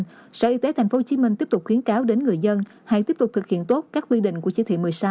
cơ sở y tế tp hcm tiếp tục khuyến cáo đến người dân hãy tiếp tục thực hiện tốt các quy định của chỉ thị một mươi sáu